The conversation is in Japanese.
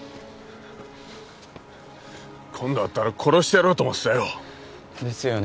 今度会ったら殺してやろうと思ってたよですよね